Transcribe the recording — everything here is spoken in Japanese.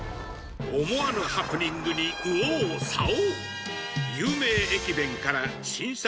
思わぬハプニングに右往左往。